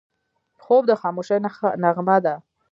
خوب د خاموشۍ نغمه ده